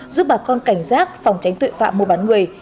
giúp bà con cảnh giác phòng tránh tội phạm mua bán người